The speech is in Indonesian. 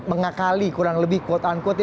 mengakali kurang lebih quote unquote